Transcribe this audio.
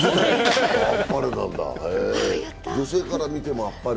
女性から見てもあっぱれ？